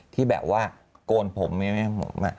ที่แบบว่าโกนผมไม่ให้ผม